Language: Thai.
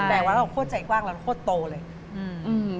แต่ว่าเราโคตรใจกว้างเราโคตรโตเลยอืม